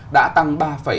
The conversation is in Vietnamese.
đã tăng ba bảy mươi bảy